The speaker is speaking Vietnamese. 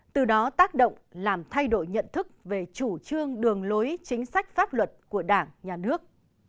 từ đó tác động làm thay đổi nhận thức về chủ trương đường lối chính sách pháp luật của đảng nhà nước